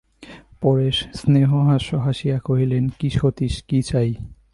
পরেশ স্নেহহাস্য হাসিয়া কহিলেন, কী সতীশ, কী চাই?